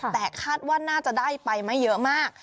แต่คาดว่าน่าจะได้ไปไม่เยอะมาก